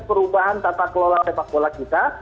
perubahan tata kelola sepak bola kita